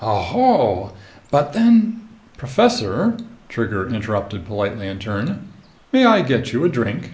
"Oho! But then " "Professor," Trigger interrupted politely in turn, "may I get you a drink?"